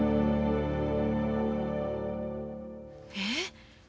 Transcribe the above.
えっ？